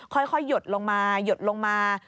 ค่อยหยดลงมาหยดลงมา